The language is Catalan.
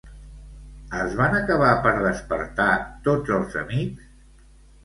Es van acabar per despertar tots els amics?